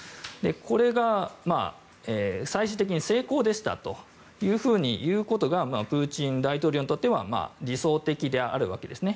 これが、最終的に成功でしたというふうにいうことがプーチン大統領にとっては理想的であるわけですね。